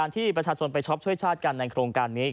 ที่ประชาชนไปช็อปช่วยชาติกันในโครงการนี้